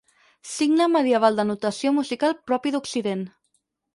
Signe medieval de notació musical propi d'Occident.